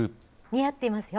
似合ってますよ。